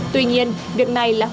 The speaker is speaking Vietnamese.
tuy nhiên việc này là hoàn toàn bịa đặt